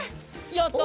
やった。